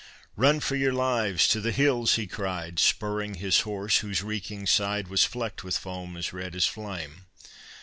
"Run for your lives to the hills!" he cried, Spurring his horse, whose reeking side Was flecked with foam as red as flame.